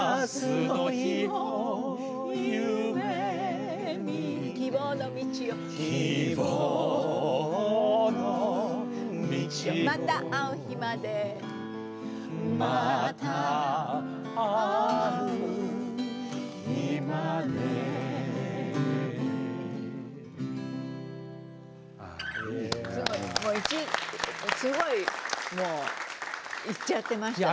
すごいもういっちゃってました。